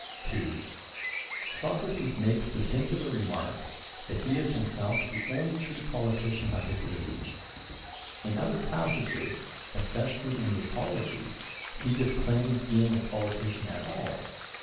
(2) Socrates makes the singular remark, that he is himself the only true politician of his age. In other passages, especially in the Apology, he disclaims being a politician at all.